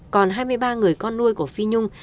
còn hai mươi ba người con nuôi của phi nhung